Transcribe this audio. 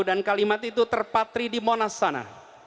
dan kalimat itu terpatri di monas sana